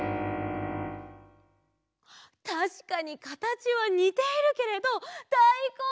たしかにかたちはにているけれどだいこんじゃないんです！